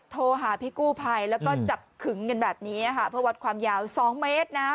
โทรหาพี่กู้ภัยแล้วก็จับขึงกันแบบนี้ค่ะเพื่อวัดความยาว๒เมตรนะ